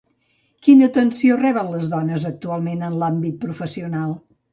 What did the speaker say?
Quina atenció reben les dones actualment en l'àmbit professional?